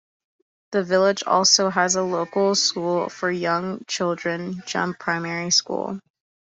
The village also has a local school for young children, Jump Primary School.